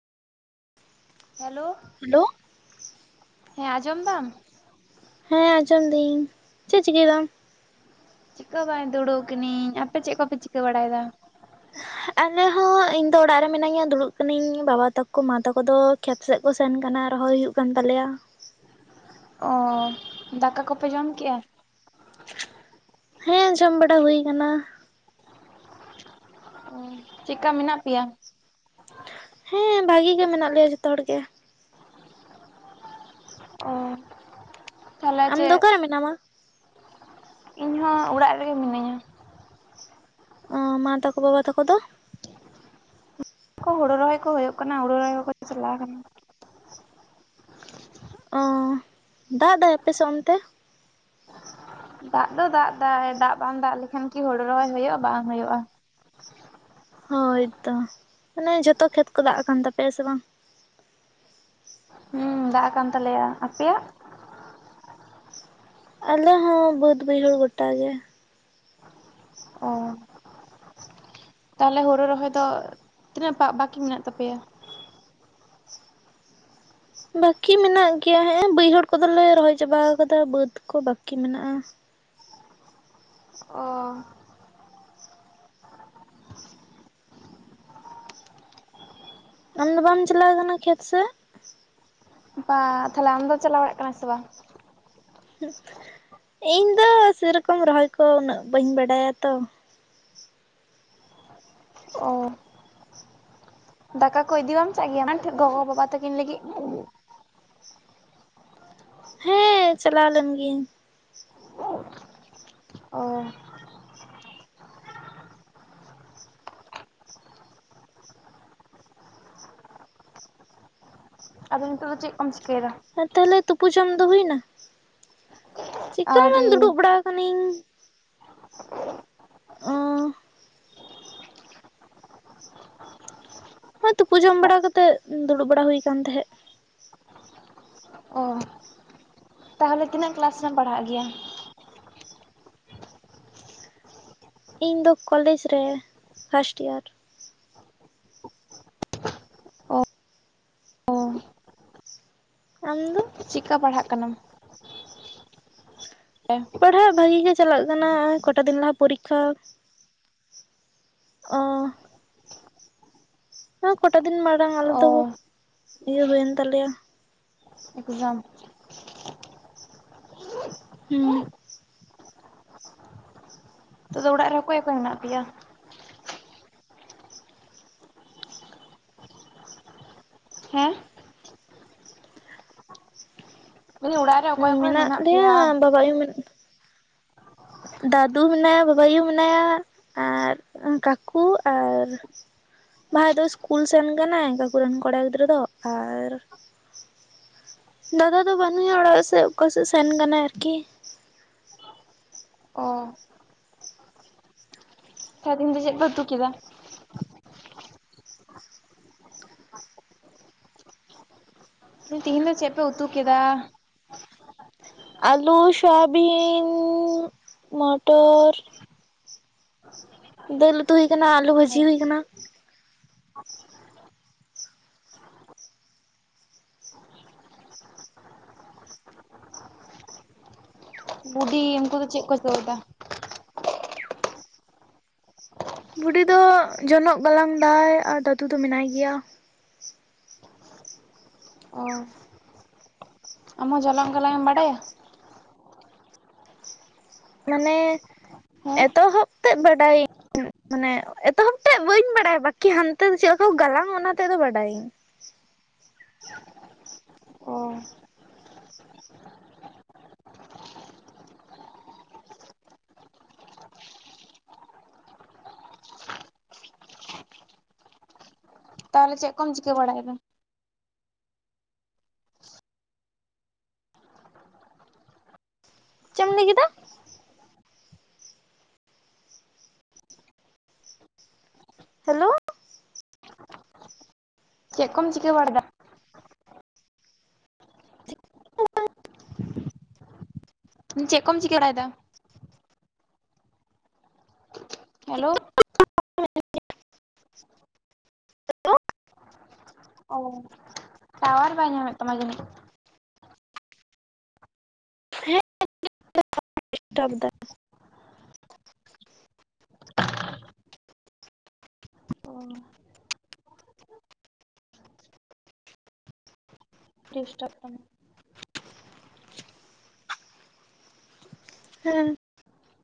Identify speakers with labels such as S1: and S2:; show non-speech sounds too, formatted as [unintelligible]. S1: Hello
S2: hello
S1: ᱦᱮᱸ ᱟᱸᱡᱚᱢ ᱫᱟᱢ᱾
S2: ᱦᱮᱸ ᱟᱸᱡᱚᱢ ᱫᱟᱹᱧ, ᱪᱮᱫ ᱪᱤᱠᱟᱹᱭ ᱫᱟᱢ?
S1: ᱪᱤᱠᱟᱹ ᱦᱚᱹ ᱵᱟᱝ ᱫᱩᱲᱩᱵ ᱠᱟᱹᱱᱟᱹᱧ, ᱟᱯᱮ ᱪᱮᱫ ᱠᱚᱯᱮ ᱪᱤᱠᱟᱹ ᱵᱟᱲᱟᱭ ᱮᱫᱟ?
S2: [unintelligible] ᱟᱞᱮ ᱦᱚᱸ ᱤᱧ ᱫᱚ ᱚᱲᱟᱜ ᱨᱮ ᱢᱤᱱᱟᱹᱧᱟ ᱫᱩᱲᱩᱵ ᱠᱟᱹᱱᱟᱹᱧ ᱵᱟᱵᱟ ᱛᱟᱠᱚ ᱢᱟ ᱛᱟᱠᱚ ᱫᱚ ᱠᱷᱮᱛ ᱥᱮᱫ ᱠᱚ ᱥᱮᱱ ᱠᱟᱱᱟ ᱨᱚᱦᱚᱭ ᱦᱩᱭᱩᱜ ᱠᱟᱱ ᱛᱟᱞᱮᱭᱟ᱾
S1: ᱚ ᱫᱟᱠᱟ ᱠᱚᱯᱮ ᱡᱚᱢ ᱠᱮᱜᱼᱟ?
S2: ᱦᱮᱸ ᱡᱚᱢ ᱵᱟᱲᱟ ᱦᱩᱭ ᱟᱠᱟᱱᱟ᱾
S1: ᱚ ᱪᱮᱫᱠᱟ ᱢᱮᱱᱟᱜ ᱯᱮᱭᱟ?
S2: ᱦᱮᱸ ᱵᱷᱟᱜᱤ ᱜᱮ ᱢᱮᱱᱟᱜ ᱞᱮᱭᱟ ᱡᱷᱚᱛᱚ ᱦᱚᱲ ᱜᱮ᱾
S1: ᱚ ᱛᱟᱦᱚᱞᱮ
S2: ᱟᱢ ᱫᱚ
S1: ᱪᱮᱫ
S2: ᱚᱠᱟᱨᱮ ᱢᱮᱱᱟᱢᱟ?
S1: ᱤᱧ ᱦᱚᱸ ᱚᱲᱟᱜ ᱨᱮᱜᱮ ᱢᱤᱱᱟᱹᱧᱟ᱾
S2: ᱚ ᱢᱟ ᱛᱟᱠᱚ ᱵᱟᱵᱟ ᱛᱟᱠᱚ ᱫᱚ?
S1: ᱦᱳᱲᱩ ᱨᱚᱦᱚᱭ ᱠᱚ ᱦᱩᱭᱩᱜ ᱠᱟᱱᱟ ᱦᱳᱲᱩ ᱨᱚᱦᱚᱭ ᱠᱚᱠᱚ ᱪᱟᱞᱟᱣ ᱟᱠᱟᱱᱟ᱾
S2: ᱚ ᱫᱟᱜ ᱫᱟᱭ ᱟᱯᱮᱥᱮᱜ ᱚᱱᱛᱮ?
S1: ᱫᱟᱜ ᱫᱚ ᱫᱟᱜ ᱫᱟᱭ ᱫᱟᱜ ᱵᱟᱝ ᱫᱟᱜ ᱞᱮᱠᱷᱟᱱ ᱠᱤ ᱦᱳᱲᱳ ᱨᱚᱦᱚᱭ ᱦᱩᱭᱩᱜ-ᱟ ᱵᱟᱝ ᱦᱩᱭᱩᱜ-ᱟ᱾
S2: ᱦᱳᱭ ᱛᱚ ᱢᱟᱱᱮ ᱡᱷᱚᱛᱚ ᱠᱷᱮᱛ ᱠᱚ ᱫᱟᱜ ᱟᱠᱟᱱ ᱛᱟᱯᱮᱭᱟ ᱥᱮ ᱵᱟᱝ?
S1: ᱦᱩᱸ ᱫᱟᱜ ᱟᱠᱟᱱ ᱛᱟᱞᱮᱭᱟ ᱟᱯᱮᱭᱟᱜ?
S2: ᱟᱞᱮ ᱦᱚᱸ ᱵᱟᱹᱫ ᱵᱟᱹᱭᱦᱟᱹᱲ ᱜᱚᱴᱟ ᱜᱮ᱾
S1: ᱚ ᱛᱟᱦᱚᱞᱮ ᱦᱩᱲᱩ ᱨᱚᱦᱚᱭ ᱫᱚ ᱛᱤᱱᱟᱹᱜᱴᱟ ᱵᱟᱠᱤ ᱢᱮᱱᱟᱜ ᱛᱟᱯᱮᱭᱟ?
S2: ᱵᱟᱠᱤ ᱢᱮᱱᱟᱜ ᱜᱮᱭᱟ ᱦᱮᱸᱜ ᱮ ᱵᱟᱹᱭᱦᱟᱹᱲ ᱠᱚᱫᱚᱞᱮ ᱨᱚᱦᱚᱭ ᱪᱟᱵᱟ ᱟᱠᱟᱫᱟ ᱵᱟᱹᱫ ᱠᱚ ᱵᱟᱠᱤ ᱢᱮᱱᱟᱜ-ᱟ᱾
S1: ᱚ
S2: ᱟᱢ ᱫᱚ ᱵᱟᱢ ᱪᱟᱞᱟᱣ ᱟᱠᱟᱱᱟ ᱠᱷᱮᱛ ᱥᱮᱜ?
S1: ᱵᱟ ᱛᱟᱦᱚᱞᱮ ᱟᱢ ᱫᱚ ᱪᱟᱞᱟᱜ ᱠᱟᱱᱟ ᱥᱮ ᱵᱟᱝ?
S2: ᱤᱧ ᱫᱚ ᱥᱮᱨᱚᱠᱚᱢ ᱨᱚᱦᱚᱭ ᱠᱚ ᱩᱱᱟᱹᱜ ᱵᱟᱹᱧ ᱵᱟᱰᱟᱭᱟ ᱛᱚ᱾
S1: ᱚᱻ ᱫᱟᱠᱟ ᱠᱚ ᱤᱫᱤ ᱵᱟᱢ ᱪᱟᱜ ᱜᱮᱭᱟ [unintelligible] ᱜᱚᱜᱚ ᱵᱟᱵᱟ ᱛᱟᱠᱤᱱ ᱞᱟᱹᱜᱤᱫ?
S2: ᱦᱮᱸ ᱪᱟᱞᱟᱣ ᱞᱮᱱ ᱜᱤᱭᱟᱹᱧ᱾
S1: ᱚᱻ ᱟᱫᱚ ᱱᱤᱛᱚᱜ ᱫᱚ ᱪᱮᱜ ᱠᱚᱢ ᱪᱤᱠᱟᱹᱭᱫᱟ?
S2: ᱟᱨ ᱛᱟᱦᱚᱞᱮ ᱛᱩᱯᱩ ᱡᱚᱢ ᱫᱚ ᱦᱩᱭ ᱮᱱᱟ? ᱪᱤᱠᱟᱹ ᱦᱚᱸ ᱵᱟᱝ
S1: ᱟᱹᱣᱨᱤ
S2: ᱫᱩᱲᱩᱵ ᱵᱟᱲᱟ ᱟᱠᱟᱱᱟᱹᱧ ᱚᱻ ᱦᱮᱸ ᱛᱩᱯᱩ ᱡᱚᱢ ᱵᱟᱲᱟ ᱠᱟᱛᱮᱜ ᱫᱩᱲᱩᱵ ᱵᱟᱲᱟ ᱦᱩᱭ ᱟᱠᱟᱱ ᱛᱟᱦᱮᱸᱜ᱾
S1: ᱚ᱾ ᱛᱟᱦᱚᱞᱮ ᱛᱤᱱᱟᱹᱜ ᱠᱞᱟᱥ ᱨᱮᱢ ᱯᱟᱲᱦᱟᱜ ᱜᱮᱭᱟ?
S2: ᱤᱧ ᱫᱚ ᱠᱚᱞᱮᱡᱽ ᱨᱮ ᱯᱷᱟᱥᱴ ᱤᱭᱟᱨ᱾
S1: ᱚ
S2: ᱟᱢ ᱫᱚ?
S1: ᱠᱟ ᱯᱟᱲᱦᱟᱜ ᱠᱟᱱᱟᱢ?
S2: [inaudible]
S1: [unintelligible]
S2: ᱯᱟᱲᱦᱟᱜ ᱵᱷᱟᱜᱤ ᱜᱮ ᱪᱟᱞᱟᱜ ᱠᱟᱱᱟ ᱦᱚᱜ-ᱚᱭ ᱠᱚᱴᱟ ᱫᱤᱱ ᱞᱟᱦᱟ ᱯᱚᱨᱤᱠᱷᱟ᱾ ᱚ᱾ ᱦᱮᱸ ᱠᱚᱴᱟ ᱫᱤᱱ ᱢᱟᱲᱟᱝ ᱟᱞᱮ
S1: ᱚ
S2: ᱫᱚ ᱤᱭᱟᱹ ᱦᱩᱭᱮᱱ ᱛᱟᱞᱮᱭᱟ᱾
S1: ᱮᱠᱡᱟᱢ᱾
S2: ᱦᱩᱸ᱾
S1: ᱱᱤᱛᱳᱜ ᱫᱚ ᱚᱲᱟᱜ ᱨᱮ ᱚᱠᱚᱭ ᱚᱠᱚᱭ ᱢᱮᱱᱟᱜ ᱯᱮᱭᱟ? ᱦᱮᱸ? ᱢᱮᱱᱫᱟᱹᱧ ᱚᱲᱟᱜ ᱨᱮ ᱚᱠᱚᱭ ᱚᱠᱚᱭ
S2: ᱢᱮᱱᱟᱜ ᱞᱮᱭᱟ
S1: ᱯᱮᱭᱟ
S2: ᱵᱟᱵᱟ ᱟᱭᱩ ᱢᱮ ᱫᱟᱫᱩ ᱢᱮᱱᱟᱭᱟ ᱵᱟᱵ ᱟᱭᱩ ᱢᱮᱱᱟᱭᱟ ᱟᱨ ᱠᱟᱠᱩ ᱟᱨ ᱵᱟᱦᱟᱭ ᱫᱚ ᱥᱤᱥᱠᱩᱞ ᱥᱮᱱ ᱠᱟᱱᱟᱭ ᱠᱟᱠᱩᱨᱮᱱ ᱠᱚᱲᱟ ᱜᱤᱫᱽᱨᱟᱹ ᱫᱚ ᱟᱨ ᱫᱟᱫᱟ ᱫᱚ ᱵᱟᱹᱱᱭ-ᱟ ᱚᱲᱟᱜ ᱥᱮᱜ ᱚᱠᱟᱥᱮᱫ ᱥᱮᱱ ᱠᱟᱱᱟᱭ ᱟᱨᱠᱤ᱾
S1: ᱚᱻ ᱥᱮᱫᱤᱱ ᱫᱚ ᱪᱮᱫ ᱯᱮ ᱩᱛᱩ ᱠᱮᱫᱟ? [unintelligible] ᱛᱦᱧ ᱫᱚ ᱪᱯᱜ ᱯᱮ ᱩᱛᱩ ᱠᱮᱫᱟ?
S2: ᱟᱞᱩ, ᱥᱳᱭᱟᱵᱤᱱ, ᱢᱚᱴᱚᱨ ᱫᱟᱹᱞ ᱩᱛᱩ ᱦᱩᱭ ᱟᱠᱟᱱᱟ, ᱟᱞᱩ ᱵᱷᱟᱹᱡᱦᱩᱭ ᱟᱠᱟᱱᱟ‍᱾
S1: [unintelligible] ᱩᱱᱠᱩ ᱫᱚ ᱪᱮᱜ ᱠᱚ ᱡᱚᱫᱟ?
S2: ᱵᱩᱰᱤ ᱫᱚ ᱡᱚᱱᱚᱜ ᱜᱟᱞᱟᱝ ᱫᱟᱭ ᱟᱨ ᱫᱟᱫᱩ ᱫᱚ ᱢᱮᱱᱟᱭ ᱜᱮᱭᱟ᱾
S1: [inaudible] ᱚ ᱟᱢ ᱦᱚᱸ ᱡᱚᱱᱚᱜ ᱜᱟᱞᱟᱝ ᱮᱢ ᱵᱟᱰᱟᱭᱟ᱾
S2: ᱢᱟᱱᱮ
S1: ᱦᱮᱸ
S2: ᱮᱛᱚᱦᱚᱵᱽ ᱛᱮᱫᱽ ᱵᱟᱰᱟᱭᱟ ᱧ, ᱢᱟᱱᱮ ᱮᱛᱚᱦᱚᱵ ᱴᱟᱜ ᱵᱟᱹᱧ ᱵᱟᱲᱟᱭᱟ ᱵᱟᱹᱠᱤ ᱦᱟᱱᱛᱮ ᱫᱚ ᱪᱮᱫᱠᱟ ᱠᱚ ᱜᱟᱞᱟᱝᱟ ᱚᱱᱟ ᱛᱮᱫᱽ ᱫᱚ ᱵᱟᱰᱟᱭᱟᱹᱧ᱾
S1: ᱚ ᱛᱟᱦᱚᱞᱮ ᱪᱮᱫ ᱠᱚᱢ ᱪᱤᱠᱟᱹ ᱵᱟᱲᱟᱭᱮᱫᱟ᱾
S2: ᱪᱮᱢ ᱞᱟᱹᱭ ᱠᱮᱫᱟ᱾ ᱦᱮᱞᱳ᱾
S1: ᱪᱮᱫ ᱠᱚᱢ ᱪᱤᱠᱟᱹ ᱵᱟᱲᱟᱭ ᱫᱟ᱾ ᱩ ᱪᱮᱜ ᱠᱚᱢ ᱪᱤᱠᱟᱹ ᱵᱟᱲᱟᱭᱫᱟ᱾ ᱦᱮᱞᱳ᱾ ᱚᱻ ᱴᱟᱣᱟᱨ ᱵᱟᱭ ᱧᱟᱢᱮᱫᱽ ᱛᱟᱢᱟ ᱡᱟᱱᱤᱡᱽ᱾
S2: ᱰᱤᱥᱴᱟᱵ ᱫᱟᱭ᱾
S1: ᱚᱻ ᱰᱤᱥᱴᱟᱵ ᱛᱟᱦᱮᱸᱱᱟᱭ᱾
S2: ᱦᱮᱸ᱾